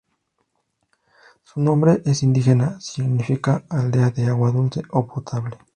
Su nombre es indígena: significa Aldea de Agua Dulce o Potable.